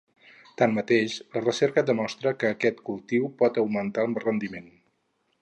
Tanmateix, la recerca demostra que aquest cultiu pot augmentar el rendiment.